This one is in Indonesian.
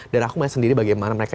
dan aku melihat sendiri bagaimana mereka